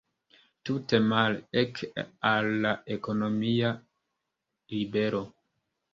Tute male, ek al la ekonomia libero.